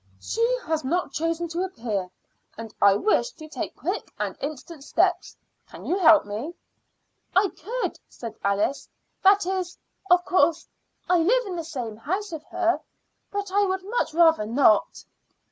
"She has not chosen to appear, and I wish to take quick and instant steps. Can you help me?" "I could," said Alice "that is, of course, I live in the same house with her but I would much rather not."